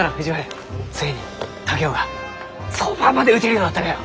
ついに竹雄がそばまで打てるようになったがよ。